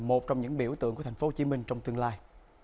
một trong những biểu tượng của tp hcm trong tương lai